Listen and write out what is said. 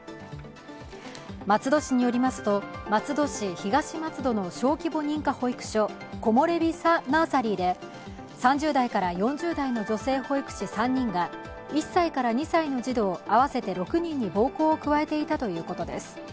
松戸市によりますと松戸市東松戸の小規模認可保育所コモレビ・ナーサリーで３０代から４０代の女性保育士３人が１歳から２歳の児童合わせて６人に暴行を加えていたということです。